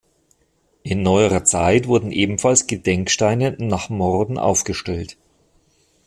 In neuerer Zeit wurden ebenfalls Gedenksteine nach Morden aufgestellt.